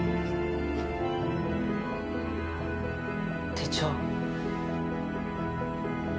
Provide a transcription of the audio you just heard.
手帳。